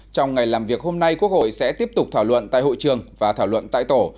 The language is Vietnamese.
trong ngày làm việc hôm nay quốc hội sẽ tiếp tục thảo luận tại hội trường và thảo luận tại tổ